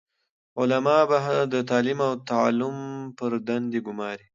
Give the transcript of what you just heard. علماء به د تعليم او تعلم پر دندي ګماري،